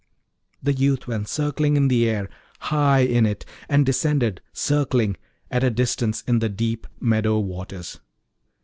The youth went circling in the air, high in it, and descended, circling, at a distance in the deep meadow waters.